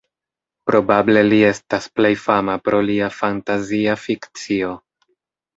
Probable li estas plej fama pro lia fantazia fikcio.